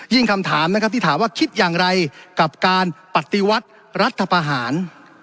คำถามนะครับที่ถามว่าคิดอย่างไรกับการปฏิวัติรัฐประหาร